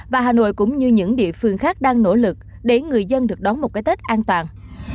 và hà nội cũng như những địa phương khác đang nỗ lực để người dân được đón một cái tết an toàn